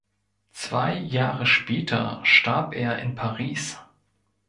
Zwei Jahre später starb er in Paris.